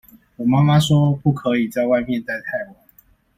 我媽媽說不可以在外面待太晚